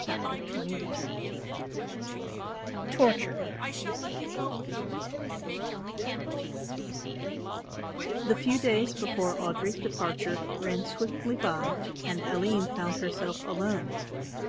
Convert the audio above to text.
CHAPTER XXI TORTURE The few days before Audry's departure ran swiftly by and Aline found herself alone.